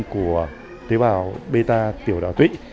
của tủy bào bê ta tiểu đảo tủy